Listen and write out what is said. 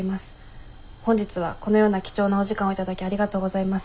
本日はこのような貴重なお時間を頂きありがとうございます。